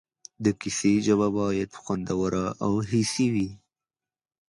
د کیسې ژبه باید خوندوره او حسي وي.